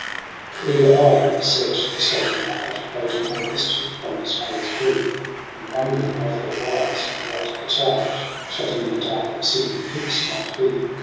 5 With eager eye he search'd the salty marge Boding all mischief from his mother's glee ; And wondering of her wiles, and what the charge Shut in the dark obsidian pyx might be.